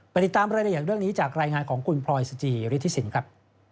ติดตามรายละเอียดเรื่องนี้จากรายงานของคุณพลอยสจิฤทธิสินครับ